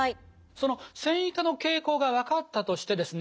その線維化の傾向が分かったとしてですね